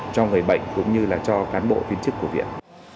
cho người bệnh cũng như là cho cán bộ viên chức của viện